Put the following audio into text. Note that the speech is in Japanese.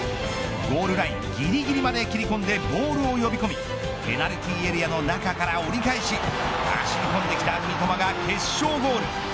ゴールラインぎりぎりまで切り込んでボールを呼び込みペナルティーエリアの中から折り返し走り込んできた三笘が決勝ゴール。